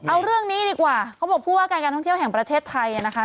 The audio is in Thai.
เอาเรื่องนี้ดีกว่าเขาบอกผู้ว่าการการท่องเที่ยวแห่งประเทศไทยนะคะ